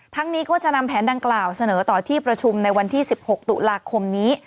นี้ก็จะนำแผนดังกล่าวเสนอต่อที่ประชุมในวันที่๑๖ตุลาคมนี้